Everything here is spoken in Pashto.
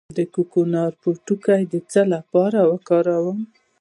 د کوکنارو پوټکی د څه لپاره وکاروم؟